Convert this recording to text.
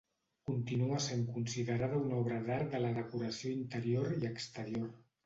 Continua sent considerada una obra d'art de la decoració interior i exterior.